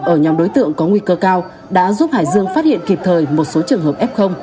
ở nhóm đối tượng có nguy cơ cao đã giúp hải dương phát hiện kịp thời một số trường hợp f